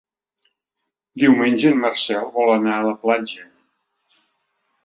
Diumenge en Marcel vol anar a la platja.